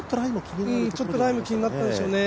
ちょっとラインも気になったんでしょうね。